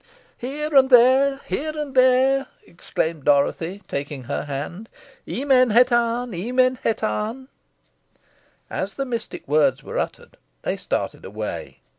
"Here and there! here and there!" exclaimed Dorothy, taking her hand. "Emen hetan! Emen hetan!" As the mystic words were uttered they started away.